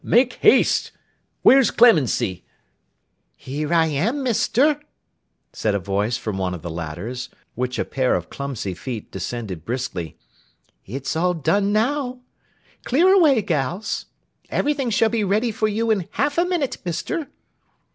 make haste! where's Clemency?' 'Here am I, Mister,' said a voice from one of the ladders, which a pair of clumsy feet descended briskly. 'It's all done now. Clear away, gals. Everything shall be ready for you in half a minute, Mister.